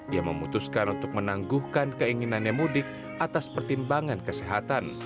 dia memutuskan untuk menangguhkan keinginannya mudik atas pertimbangan kesehatan